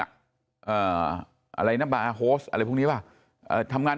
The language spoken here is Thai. อะไรนะบาร์โฮสอะไรพวกนี้ว่ะ